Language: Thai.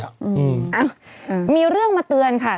อ้าวมีเรื่องมาเตือนค่ะ